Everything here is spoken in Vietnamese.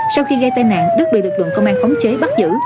sau khi gây tai nạn đức bị lực lượng công an khống chế bắt giữ